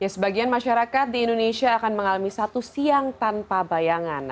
sebagian masyarakat di indonesia akan mengalami satu siang tanpa bayangan